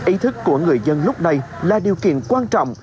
ý thức của người dân lúc này là điều kiện quan trọng